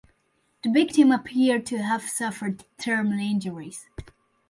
The victim appeared to have suffered thermal injuries.